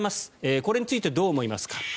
これについてどう思いますか。